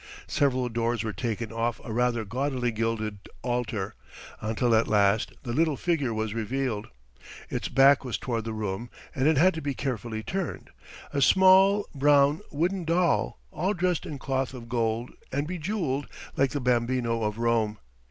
Several doors were taken off a rather gaudily gilded altar, until at last the little figure was revealed. Its back was toward the room and it had to be carefully turned a small, brown, wooden doll, all dressed in cloth of gold, and bejeweled like the Bambino of Rome.